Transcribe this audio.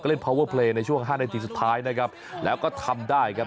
เล่นพาวเวอร์เพลย์ในช่วงห้านาทีสุดท้ายนะครับแล้วก็ทำได้ครับ